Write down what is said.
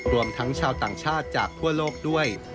รวมทั้งชาวต่างชาติจากทั่วโลกด้วย